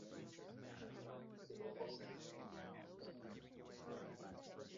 The castle has since been destroyed by the Mongols.